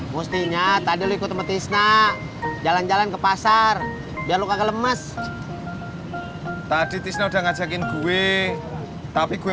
mustinya tadi ikut metis nak jalan jalan ke pasar biar luka kelemes tadi udah ngajakin gue tapi gue